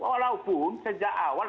walaupun sejak awal